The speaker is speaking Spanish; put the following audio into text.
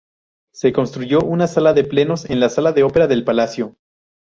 Se construyó una sala de plenos en la sala de ópera del palacio.